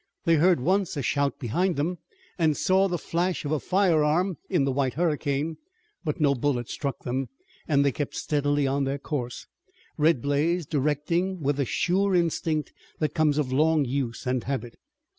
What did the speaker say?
They heard once a shout behind them and saw the flash of a firearm in the white hurricane, but no bullet struck them, and they kept steadily on their course, Red Blaze directing with the sure instinct that comes of long use and habit.